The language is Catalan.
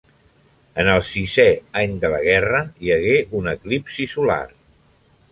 En el sisè any de la guerra, hi hagué un eclipsi solar.